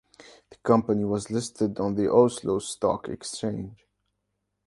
The company was listed on the Oslo Stock Exchange.